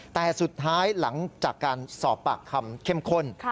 แต่สุดท้ายหลังจากการสอบปากคำเข้มข้น